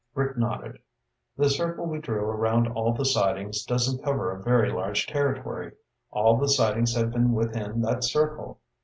Rick nodded. "The circle we drew around all the sightings doesn't cover a very large territory. All the sightings have been within that circle.